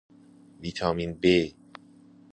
ویتامین ب